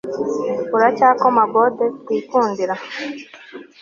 uracyakoma gode twikundira